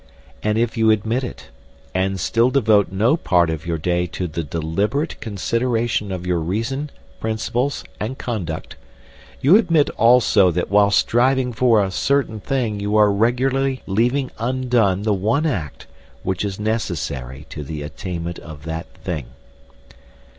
And if you admit it, and still devote no part of your day to the deliberate consideration of your reason, principles, and conduct, you admit also that while striving for a certain thing you are regularly leaving undone the one act which is necessary to the attainment of that thing.